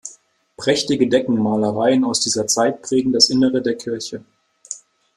Prächtige Deckenmalereien aus dieser Zeit prägen das Innere der Kirche.